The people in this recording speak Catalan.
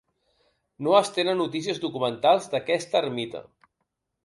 No es tenen notícies documentals d'aquesta ermita.